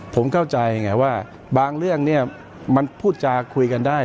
ผมเข้าใจว่าบางเรื่องมันพูดจากคุยกันได้